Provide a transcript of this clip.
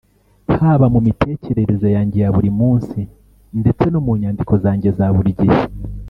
haba mu mitekerereze yanjye ya buri munsi ndetse no mu nyandiko zanjye za buri gihe